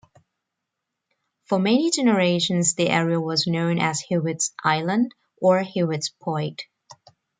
For many generations the area was known as Hewitt's Island, or Hewitt's Point.